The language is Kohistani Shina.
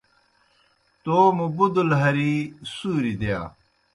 توموْ بُدل ہرِی سُوریْ دِیا۔